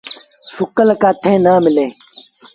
سُڪل ڪآٺيٚن نا مليٚن۔